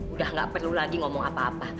udah gak perlu lagi ngomong apa apa